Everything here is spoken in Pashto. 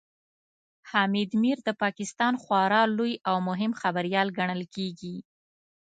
حامد میر د پاکستان خورا لوی او مهم خبريال ګڼل کېږي